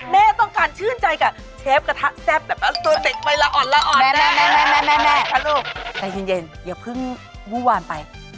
แม่ชัยเย็นอย่าเพิ่งว่าวานไป